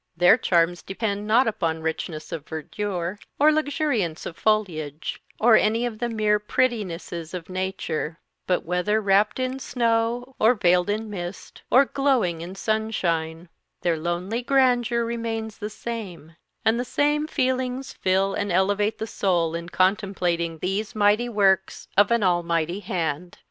Their charms depend not upon richness of verdure, or luxuriance of foliage, or any of the mere prettinesses of nature; but whether wrapped in snow, or veiled in mist, or glowing in sunshine, their lonely grandeur remains the same; and the same feelings fill and elevate the soul in contemplating these mighty works of an Almighty hand.